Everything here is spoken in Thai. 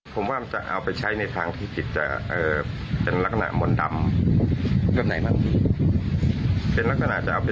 ผมว่ามันจะเอาไปใช้ในทางที่จิตจะเป็นลักหน่ามนต์ดำ